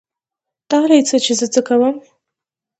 تا له يې څه چې زه څه کوم.